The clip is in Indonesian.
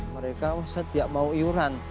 mereka oh saya tidak mau iuran